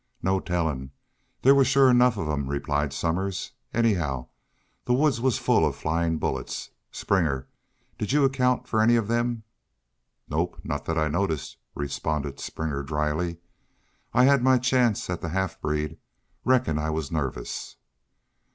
"No tellin'. There shore was enough of them," replied Somers. "Anyhow, the woods was full of flyin' bullets.... Springer, did you account for any of them?" "Nope not thet I noticed," responded Springer, dryly. "I had my chance at the half breed.... Reckon I was nervous."